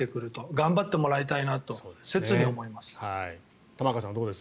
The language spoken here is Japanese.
頑張ってもらいたいなと切に思います。